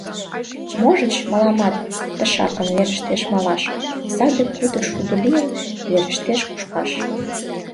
Можыч, мыламат тышакын Верештеш малаш. Саде кудыр шудо лийын, Верештеш кушкаш…